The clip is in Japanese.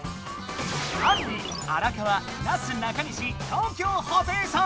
あんり荒川なすなかにし東京ホテイソン！